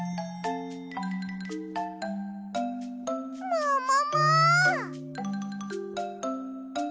ももも！